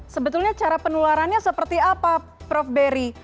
sebetulnya cara penularannya seperti apa prof berry